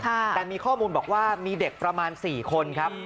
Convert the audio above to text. แต่มีข้อมูลบอกว่ามีเด็กประมาณ๔คนครับ